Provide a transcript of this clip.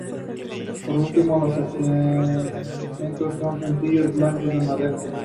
Sus colores son el carmesí y el crema.